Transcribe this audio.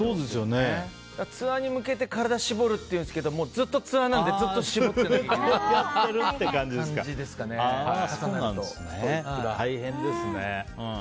ツアーに向けて体を絞るっていうんですけどずっとツアーなのでずっと絞ってるみたいな大変ですね。